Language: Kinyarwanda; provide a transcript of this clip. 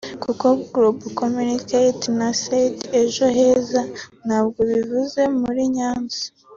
kuko Global Communities na Usaid Ejo Heza ntabwo bivuye muri Nyanza